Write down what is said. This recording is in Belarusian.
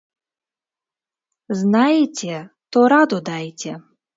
Знаеце, то раду дайце!